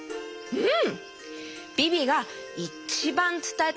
うん！